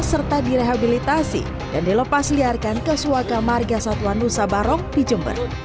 serta direhabilitasi dan dilepasliarkan ke suaka marga satwa nusa barong di jember